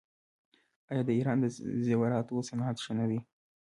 آیا د ایران د زیوراتو صنعت ښه نه دی؟